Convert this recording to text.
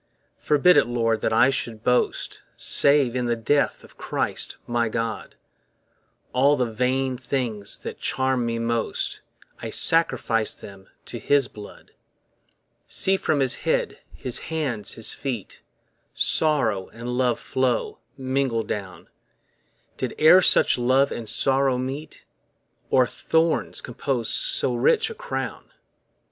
Forbid it, Lord, that I should boast Save in the death of Christ my God; All the vain things that charm me most, I sacrifice them to his blood. See from his head, his hands, his feet, Sorrow and love flow, mingled down; Did e're such love and sorrow meet? Or thorns compose so rich a crown?